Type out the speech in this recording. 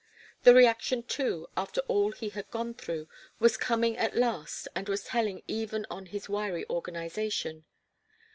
The reaction, too, after all he had gone through, was coming at last and was telling even on his wiry organization.